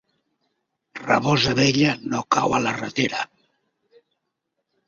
Rabosa vella no cau a la ratera.